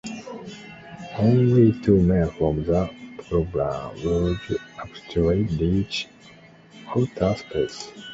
Only two men from the program would actually reach outer space.